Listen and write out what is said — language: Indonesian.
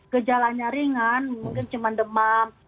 gejalanya ringan mungkin cuma demam